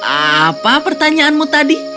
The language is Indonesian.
apa pertanyaanmu tadi